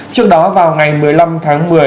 trước đó vào ngày một mươi năm tháng một mươi